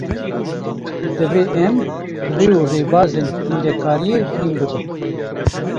Divê em, rê û rêbazên hîndekariyê hîn bibin